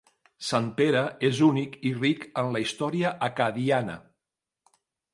Sant Pere és únic i ric en la història acadiana.